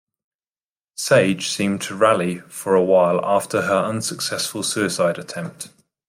Sage seemed to rally for a while after her unsuccessful suicide attempt.